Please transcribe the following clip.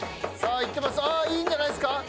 あっいいんじゃないですか。